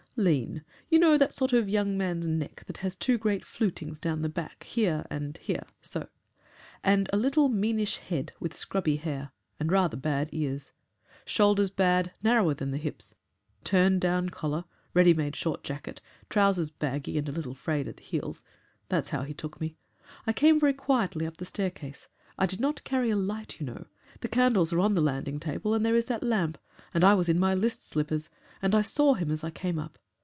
"Lean. You know that sort of young man's neck that has two great flutings down the back, here and here so! And a little, meanish head with scrubby hair And rather bad ears. Shoulders bad, narrower than the hips; turn down collar, ready made short jacket, trousers baggy and a little frayed at the heels. That's how he took me. I came very quietly up the staircase. I did not carry a light, you know the candles are on the landing table and there is that lamp and I was in my list slippers, and I saw him as I came up.